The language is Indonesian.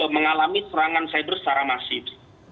mengalami serangan cyber secara masif